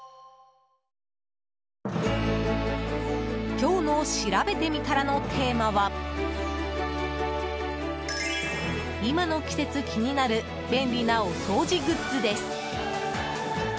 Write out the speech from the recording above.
今日のしらべてみたらのテーマは今の季節、気になる便利なお掃除グッズです。